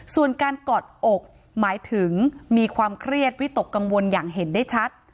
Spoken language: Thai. ส่วนการกอดอกหมายถึงมีความเครียดวิตกกังวลอย่างเห็นได้ชัด